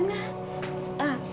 kamu habis dari